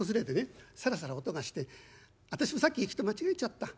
サラサラ音がして私もさっき雪と間違えちゃった」。